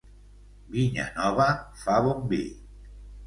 Vinya nova fa bon vi.